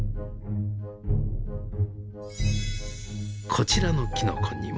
こちらのきのこにも。